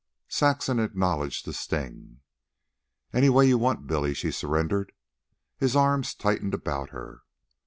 Saxon acknowledged the sting. "Anyway you want, Billy," she surrendered. His arms tightened about her.